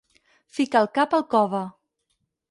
Ficar el cap al cove.